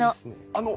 あの！